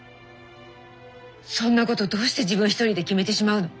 そんなことどうして自分一人で決めてしまうの？